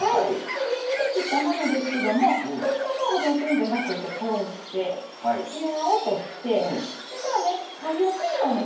で水けきったものですけどもこのまま保存するんじゃなくてこうして芯は落として使いやすいように。